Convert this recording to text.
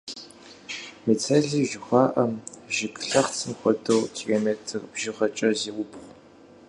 Мицелий жыхуаӏэм, жыг лъэхъцым хуэдэу, километр бжыгъэкӏэ зеубгъу.